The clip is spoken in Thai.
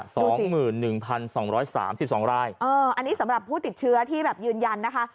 สองหมื่นหนึ่งพันสองร้อยสามสิบสองรายเอออันนี้สำหรับผู้ติดเชื้อที่แบบยืนยันนะคะ